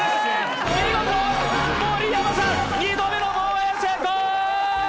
見事、盛山さん、２度目の防衛成功！